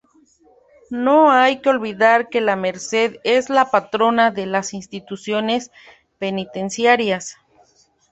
No hay que olvidar que la Merced es la Patrona de las Instituciones Penitenciarias.